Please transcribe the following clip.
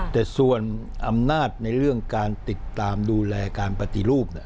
แต่ส่วนอำนาจในเรื่องการติดตามดูแลการปฏิรูป